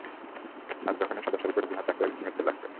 আর যখন এই সাদা শাড়ি পড়বি না, তোকে একদম নেত্রী লাগবে!